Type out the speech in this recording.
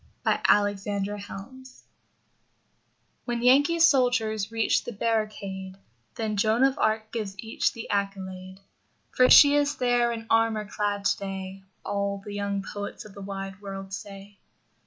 Mark Twain and Joan of Arc When Yankee soldiers reach the barricade Then Joan of Arc gives each the accolade. For she is there in armor clad, today, All the young poets of the wide world say.